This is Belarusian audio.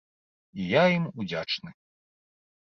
І я ім удзячны.